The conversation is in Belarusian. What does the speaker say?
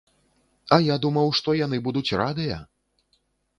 А я думаў, што яны будуць радыя!